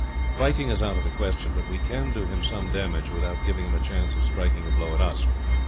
Fighting is out of the question; but we can do him some damage without giving him a chance of striking a blow at us.